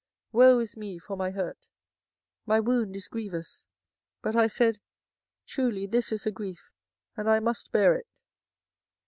24:010:019 Woe is me for my hurt! my wound is grievous; but I said, Truly this is a grief, and I must bear it.